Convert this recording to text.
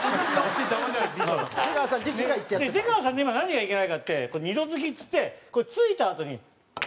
出川さんの今何がいけないかって二度撞きっつってこれ撞いたあとに。